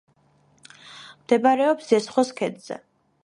მდებარეობს ზესხოს ქედზე.